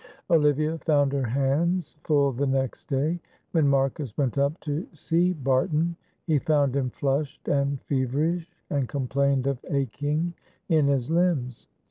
Olivia found her hands full the next day; when Marcus went up to see Barton, he found him flushed and feverish, and complained of aching in his limbs.